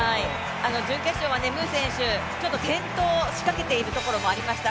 準決勝はムー選手、転倒をしかけているところもありました。